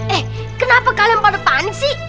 eh kenapa kalian pada tani sih